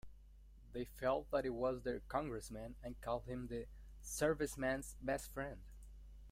They felt that he was their congressman and called him the Serviceman's Best Friend.